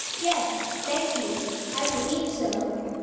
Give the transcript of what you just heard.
Yes, thank you, I believe so.